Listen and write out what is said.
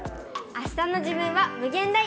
あしたの自分は無限大！